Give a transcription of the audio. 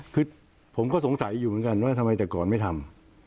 คือผมก็สงสัยอยู่เหมือนกันว่าทำไมแต่ก่อนไม่ทำ